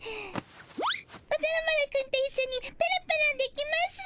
おじゃる丸くんといっしょにペロペロできますぅ。